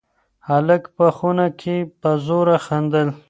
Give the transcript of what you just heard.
هلک په خونه کې په زوره خندل.